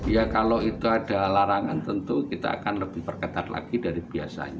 ya kalau itu ada larangan tentu kita akan lebih perketat lagi dari biasanya